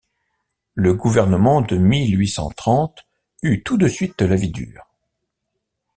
Le gouvernement de mille huit cent trente eut tout de suite la vie dure.